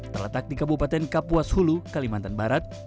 terletak di kabupaten kapuas hulu kalimantan barat